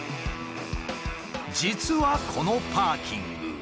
実はこのパーキング。